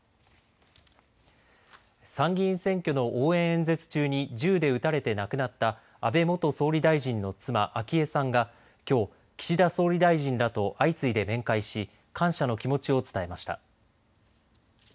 参議院選挙の応援演説中に銃で撃たれて亡くなった安倍元総理大臣の妻、昭恵さんがきょう岸田総理大臣らと相次いで面会し感謝の気持ちを伝えました。